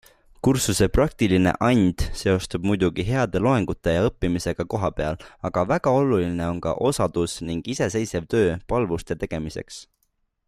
Kursuse praktiline and seostub muidugi heade loengute ja õppimisega kohapeal, aga väga oluline on ka osadus ning iseseisev töö palvuste tegemiseks.